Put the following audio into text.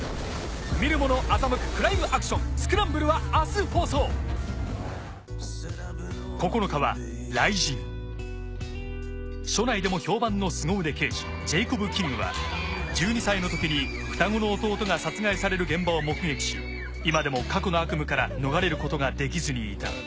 見るもの欺くクライムアクション署内でも評判のスゴ腕刑事ジェイコブ・キングは１２歳のときに双子の弟が殺害される現場を目撃し今でも過去の悪夢から逃れることができずにいた。